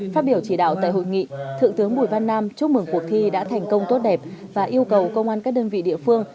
phát biểu chỉ đạo tại hội nghị thượng tướng bùi văn nam chúc mừng cuộc thi đã thành công tốt đẹp và yêu cầu công an các đơn vị địa phương